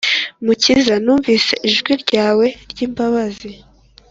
Mukiza numvise ijwi ryawe ry’imbabazi